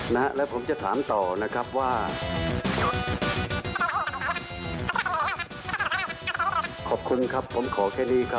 นะแล้วผมจะถามต่อนะครับว่าในวงการแย่งไม้นักข่าวของลุงพลออกมา